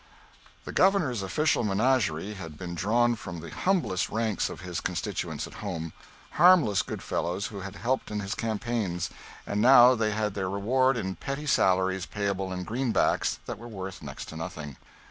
The Governor's official menagerie had been drawn from the humblest ranks of his constituents at home harmless good fellows who had helped in his campaigns, and now they had their reward in petty salaries payable in greenbacks that were worth next to nothing.